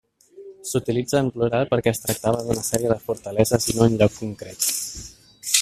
S'utilitza en plural perquè es tractava d'una sèrie de fortaleses i no un lloc concret.